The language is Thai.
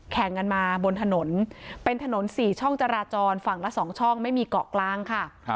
แข่งกันมาบนถนนเป็นถนน๔ช่องจราจรฝั่งละ๒ช่องไม่มีเกาะกลางค่ะ